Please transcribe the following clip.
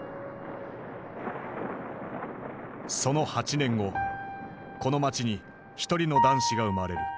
その８年後この街に一人の男子が生まれる。